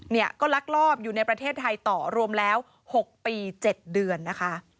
เนี่ยก็ลักลอบอยู่ในประเทศไทยต่อรวมแล้ว๖ปี๗เดือนนะคะ